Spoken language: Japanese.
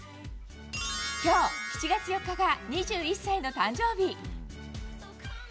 今日７月４日が２１歳の誕生日。